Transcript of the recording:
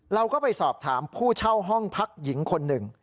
เราก็ไปสอบถามผู้เช่าห้องพักหญิงคนหนึ่ง